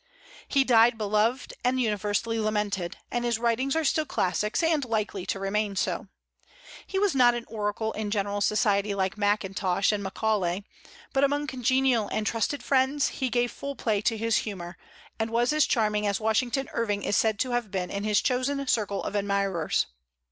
He died beloved and universally lamented, and his writings are still classics, and likely to remain so. He was not an oracle in general society, like Mackintosh and Macaulay; but among congenial and trusted friends he gave full play to his humor, and was as charming as Washington Irving is said to have been in his chosen circle of admirers.